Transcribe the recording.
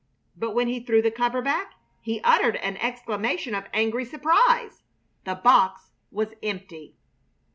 But when he threw the cover back he uttered an exclamation of angry surprise. The box was empty!